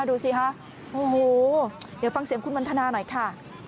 ดูสิคะโอ้โหเดี๋ยวฟังเสียงคุณวันทนาหน่อยค่ะ